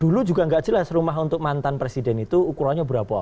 dulu juga nggak jelas rumah untuk mantan presiden itu ukurannya berapa